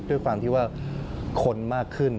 ด้วยความที่ว่าคนมากขึ้น